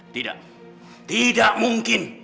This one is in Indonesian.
tidak tidak mungkin